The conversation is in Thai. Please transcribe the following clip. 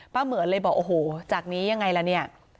เหมือนเลยบอกโอ้โหจากนี้ยังไงล่ะเนี่ย